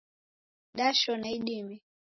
Dashona idime